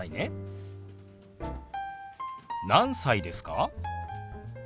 何歳ですか？